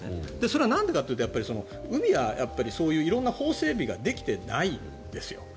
それはなんでかというと海はそういう色んな法整備ができてないんですよ。